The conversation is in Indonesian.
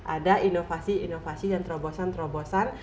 ada inovasi inovasi dan terobosan terobosan